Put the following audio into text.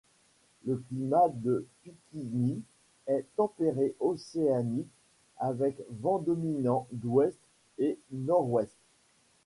Le climat de Picquigny est tempéré océanique avec vents dominants d'ouest et nord-ouest.